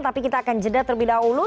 tapi kita akan jeda terlebih dahulu